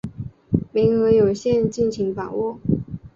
名额有限，敬请把握